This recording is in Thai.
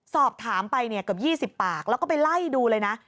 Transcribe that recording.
สอบถามไปเนี่ยเกือบ๒๐ปากแล้วก็ไปไล่ดูเลยนะ